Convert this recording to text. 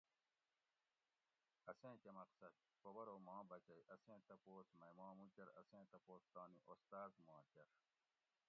اسیں کہۤ مقصد ؟ بوب ارو ماں بچئ اسیں تپوس مئ ما مو کۤر اسیں تپوس تانی استاذ ما کۤر